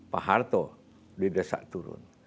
pak harto didesak turun